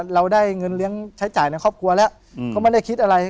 เราได้เงินเลี้ยงใช้จ่ายในครอบครัวแล้วก็ไม่ได้คิดอะไร